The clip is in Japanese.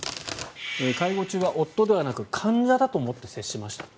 介護中は、夫ではなく患者だと思って接しました。